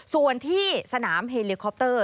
ส่วนที่สนามเฮลิคอปเตอร์